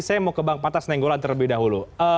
saya mau ke bang pantas nenggolan terlebih dahulu